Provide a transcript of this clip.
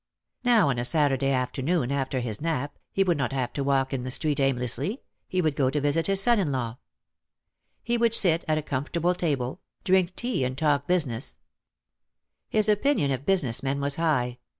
Now on a Saturday after noon after his nap, he would not have to walk in the street aimlessly, he would go to visit his son in law. He would sit at a comfortable table, drink tea and talk busi 211 212 OUT OF THE SHADOW ness. His opinion of business men was high.